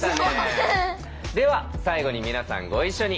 では最後に皆さんご一緒に。